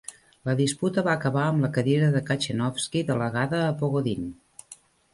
La disputa va acabar amb la cadira de Kachenovsky delegada a Pogodin.